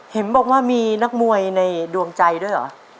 เห็นบอกว่ามีนักมวยในดวงใจด้วยเหรอ